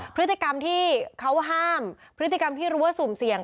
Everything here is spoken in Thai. พฤติกรรมที่เขาห้ามพฤติกรรมที่รู้ว่าสุ่มเสี่ยง